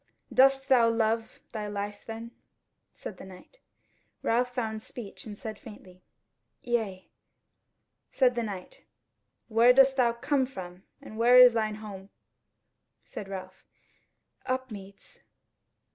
"Dost thou love thy life then?" said the Knight. Ralph found speech and said faintly, "Yea." Said the Knight: "Where dost thou come from, where is thine home?" Said Ralph, "Upmeads."